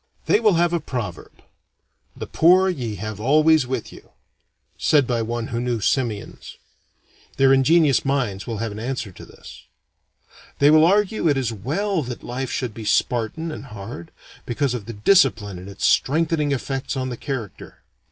They will have a proverb, "The poor ye have always with you," said by one who knew simians. Their ingenious minds will have an answer to this. They will argue it is well that life should be Spartan and hard, because of the discipline and its strengthening effects on the character.